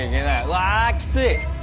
うわきつい！